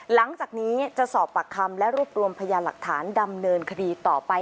หลังจากนี้จะสอบปากคำและรวบรวมพยานหลักฐานดำเนินคดีต่อไป